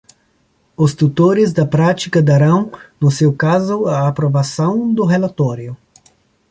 Os tutores da prática darão, no seu caso, a aprovação do relatório.